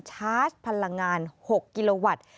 ชาร์จพลังงาน๖กิโลวัตต์